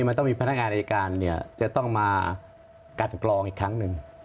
มันจะมีพนักงานรัฐการเก็บกลองอีกครั้งนึง